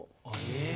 え。